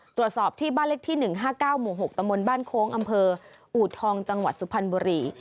ตรวจสอบที่บ้านเลขที่๑๕๙หมู่๖ตำบลบ้านโค้งอำเภออูทองจังหวัดสุพรรณบุรี